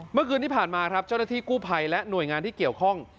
เมื่อคืนที่ผ่านมาครับเจ้าหน้าที่กู้ภัยและหน่วยงานที่เกี่ยวข้อง